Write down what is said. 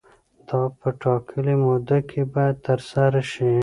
دا په ټاکلې موده کې باید ترسره شي.